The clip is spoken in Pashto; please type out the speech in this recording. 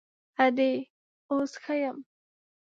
_ادې، اوس ښه يم.